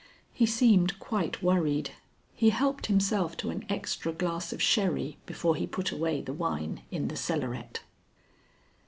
He seemed quite worried. He helped himself to an extra glass of sherry before he put away the wine in the cellaret.